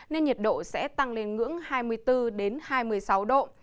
nên nhiệt độ sẽ tăng lên ngưỡng hai mươi bốn hai mươi sáu độ